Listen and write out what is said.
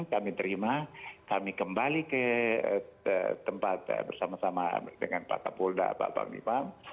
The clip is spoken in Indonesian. kami terima kami kembali ke tempat bersama sama dengan pak kapolda pak panglimam